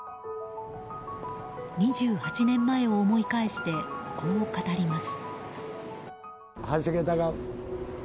２８年前を思い返してこう語ります。